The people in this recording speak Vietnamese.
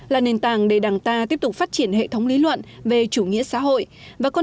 là nền tảng để đảng ta tiếp tục phát triển hệ thống lý luận về chủ nghĩa xã hội và con